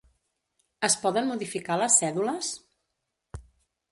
Es poden modificar les cèdules?